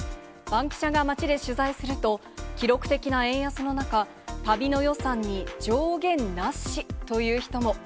バンキシャが街で取材すると、記録的な円安の中、旅の予算に上限なしという人も。